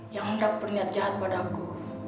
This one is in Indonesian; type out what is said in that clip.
yang hendak berniat jahat padaku